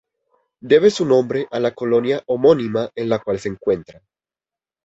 Debe su nombre a la colonia homónima en la cual se encuentra.